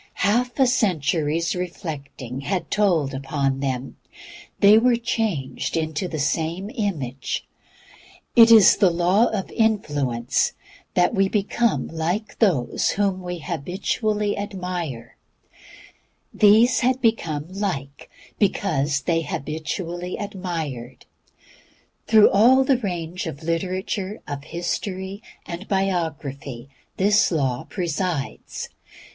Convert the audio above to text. Half a century's reflecting had told upon them; they were changed into the same image. It is the Law of Influence that we become like those whom we habitually reflect: these had become like because they habitually reflected. Through all the range of literature, of history, and biography this law presides.